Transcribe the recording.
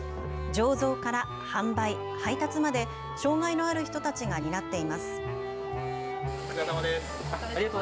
醸造から販売、配達まで、障害のある人たちが担っています。